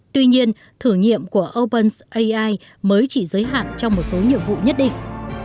tuy nhiên thử nghiệm của openai mới chỉ giới hạn trong một số nhiệm vụ nhất định